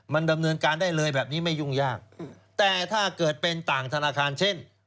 มันดำเนินการได้เลยแบบนี้ไม่ยุ่งยากแต่ถ้าเกิดเป็นต่างธนาคารเช่น